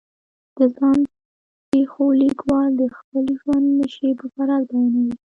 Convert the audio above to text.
د ځان پېښو لیکوال د خپل ژوند نشیب و فراز بیانوي.